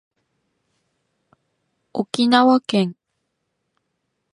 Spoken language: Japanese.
沖縄県